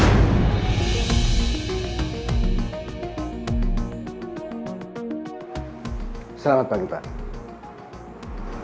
ini surat yang sah secara hukum